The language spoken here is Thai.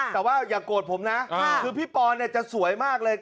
แต่ว่าอย่าโกรธผมนะคือพี่ปอนเนี่ยจะสวยมากเลย